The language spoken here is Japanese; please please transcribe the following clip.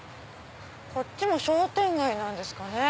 こっちも商店街なんですかね。